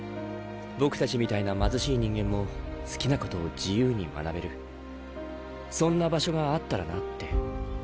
僕たちみたいな貧しい人間も好きなことを自由に学べるそんな場所があったらなって。